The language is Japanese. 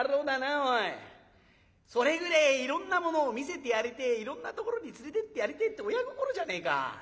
それぐれえいろんなものを見せてやりてえいろんなところに連れてってやりてえって親心じゃねえか。